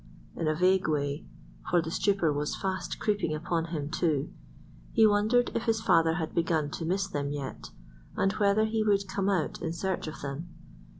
In a vague way—for the stupor was fast creeping upon him too—he wondered if his father had begun to miss them yet, and whether he would come out in search of them.